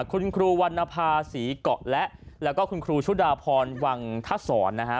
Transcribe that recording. คุณครูวรรณภาษีเกาะและแล้วก็คุณครูชุดาพรวังทัศรนะฮะ